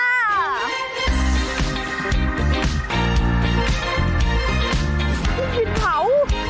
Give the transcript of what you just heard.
กินเผา